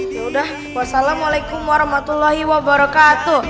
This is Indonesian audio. ya sudah wassalamu'alaikum warahmatullahi wabarakatuh